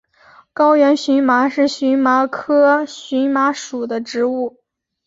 高原荨麻是荨麻科荨麻属的植物。